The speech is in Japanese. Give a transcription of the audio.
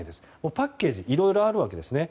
パッケージいろいろあるわけですね。